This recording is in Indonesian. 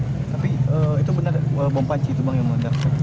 tapi itu benar bom panci itu bang yang meledak